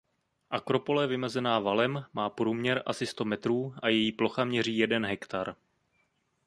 Akropole vymezená valem má průměr asi sto metrů a její plocha měří jeden hektar.